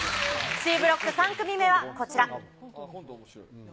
Ｃブロック３組目はこちら。